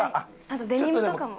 あとデニムとかも。